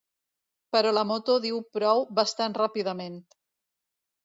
Però la moto diu prou bastant ràpidament.